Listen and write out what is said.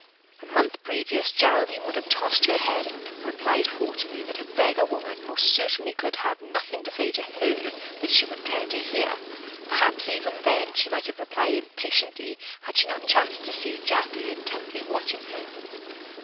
A month previous Geraldine would have tossed her head and replied haughtily that a beggar woman most certainly could have nothing to say to her that she would care to hear. Perhaps even then she might have replied impatiently had she not chanced to see Jack Lee intently watching her.